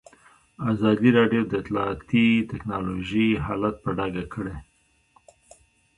ازادي راډیو د اطلاعاتی تکنالوژي حالت په ډاګه کړی.